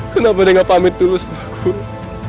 kenapa dia gak pamit dulu sama gua